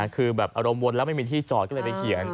คือแบบอารมณ์วนแล้วไม่มีที่จอดก็เลยไปเขียน